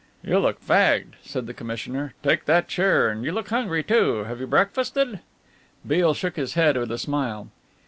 "You look fagged," said the commissioner, "take that chair and you look hungry, too. Have you breakfasted?" Beale shook his head with a smile.